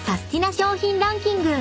商品ランキング］